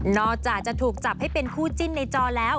อกจากจะถูกจับให้เป็นคู่จิ้นในจอแล้ว